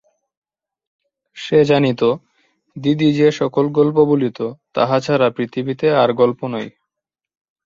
সে জানিত, দিদি যে-সকল গল্প বলিত তাহা ছাড়া পৃথিবীতে আর গল্প নাই।